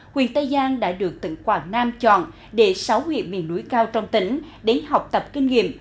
huyện tây giang đã được tỉnh quảng nam chọn để sáu huyện miền núi cao trong tỉnh đến học tập kinh nghiệm